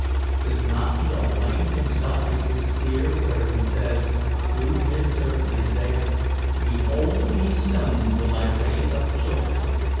Does not the Almighty Himself make this clear where He says through his servant Isaiah, 'Behold of these stones will I raise up children'?